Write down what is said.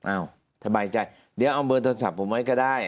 อ้าวสบายใจเดี๋ยวเอาเบอร์โทรศัพท์ผมไว้ก็ได้